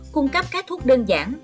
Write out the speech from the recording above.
cung cấp các thuốc đơn giản